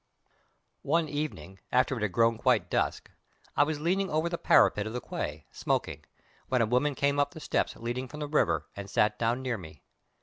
One evening, after it had grown quite dusk, I was leaning over the parapet of the quay, smoking, when a woman came up the steps leading from the river, and sat down near me.